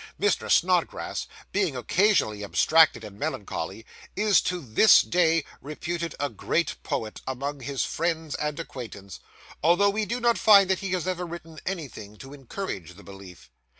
Mr. Snodgrass, being occasionally abstracted and melancholy, is to this day reputed a great poet among his friends and acquaintance, although we do not find that he has ever written anything to encourage the belief.